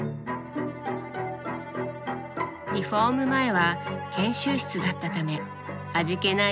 リフォーム前は研修室だったため味気ない